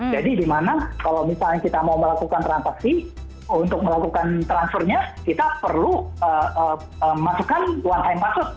jadi di mana kalau misalnya kita mau melakukan transaksi untuk melakukan transfernya kita perlu masukkan one time password